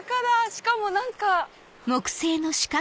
しかも何か。